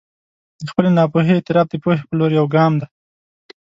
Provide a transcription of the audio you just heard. د خپلې ناپوهي اعتراف د پوهې په لور یو ګام دی.